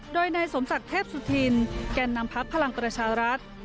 โดยนายสมศักดิ์เทพสุธินแก่นนำพักพลังประชารัฐ